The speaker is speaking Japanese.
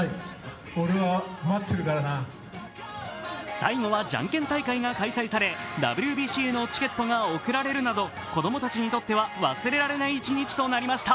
最後はじゃんけん大会が開催されＷＢＣへのチケットが送られるなど子供たちにとっては忘れられない一日となりました。